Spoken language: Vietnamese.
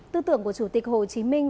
tư tưởng của chủ tịch hồ chí minh